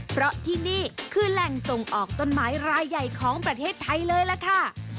เพราะที่นี่คือแหล่งส่งออกต้นไม้รายใหญ่ของประเทศไทยเลยล่ะค่ะ